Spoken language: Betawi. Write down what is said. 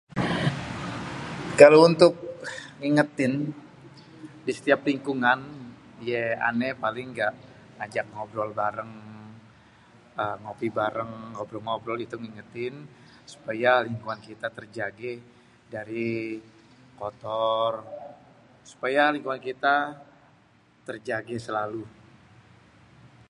Kalo untuk ngingetin di setiap lingkungan, ya ané paling ngajak ngobrol bareng, ngopi bareng, ngobrol-ngobrol gitu ngingetin supaya lingkungan kita terjagé dari kotor supaya lingkungan kita terjagé selalu.